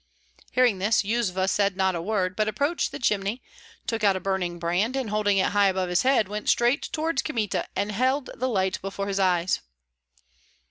Hearing this, Yuzva said not a word, but approached the chimney, took out a burning brand, and holding it high above his head, went straight toward Kmita and held the light before his eyes.